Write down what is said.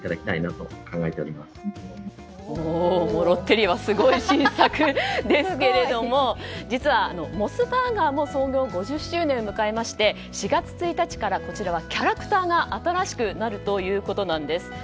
ロッテリアはすごい新作ですけれども実は、モスバーガーも創業５０周年を迎えまして４月１日からキャラクターが新しくなるということなんです。